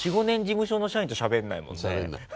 ４５年事務所の社員としゃべんないもんね。